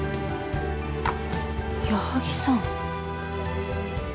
矢作さん。